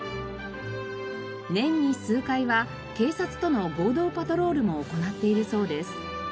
年に数回は警察との合同パトロールも行っているそうです。